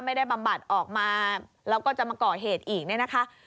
ไม่ได้บำบัดออกมาเราก็จะมาเกาะเหตุอีกนี่นะคะ